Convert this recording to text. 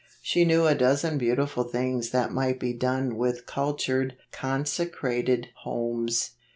She knew a dozen beautiful things that might be done with cultured consecrated homes."